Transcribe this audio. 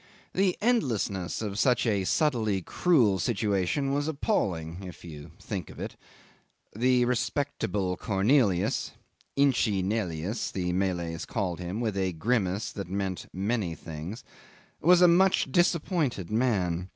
The endlessness of such a subtly cruel situation was appalling if you think of it. The respectable Cornelius (Inchi 'Nelyus the Malays called him, with a grimace that meant many things) was a much disappointed man.